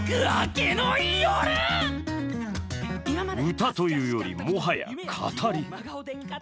歌というより、もはや語り。